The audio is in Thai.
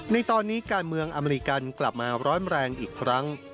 ในตอนนี้การเมืองอเมริกันกลับมาร้อนแรงอีกครั้ง